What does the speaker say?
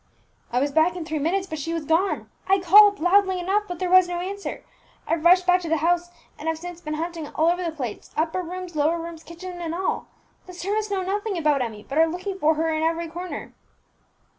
"I was back in three minutes, but she was gone. I called loudly enough but there was no answer! I rushed back to the house, and have since been hunting all over the place upper rooms, lower rooms, kitchen, and all! The servants know nothing about Emmie, but are looking for her in every corner!"